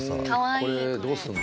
これどうするんだ？